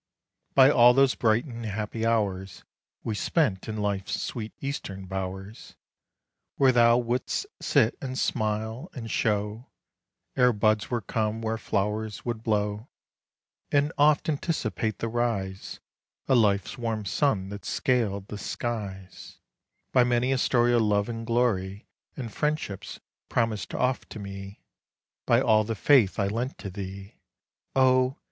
By all those bright and happy hours We spent in life's sweet eastern bow'rs, Where thou wouldst sit and smile, and show, Ere buds were come, where flowers would blow, And oft anticipate the rise Of life's warm sun that scaled the skies; By many a story of love and glory, And friendships promised oft to me; By all the faith I lent to thee, Oh!